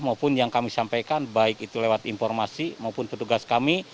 maupun yang kami sampaikan baik itu lewat informasi maupun petugas kami